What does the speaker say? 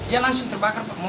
ya langsung terbakar